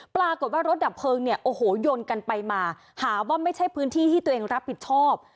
ปรากฏว่ารถดับเพลิงเนี่ยโอ้โหยนกันไปมาหาว่าไม่ใช่พื้นที่ที่ตัวเองรับผิดชอบ